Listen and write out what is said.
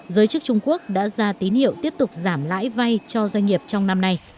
giới chức trung quốc đã ra tín hiệu tiếp tục giảm lãi vay cho doanh nghiệp trong năm nay